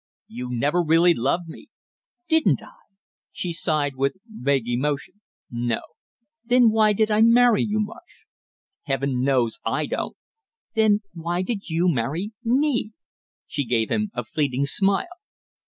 "You never really loved me!" "Didn't I?" she sighed with vague emotion. "No." "Then why did I marry you, Marsh?" "Heaven knows I don't!" "Then why did you marry me?" She gave him a fleeting smile.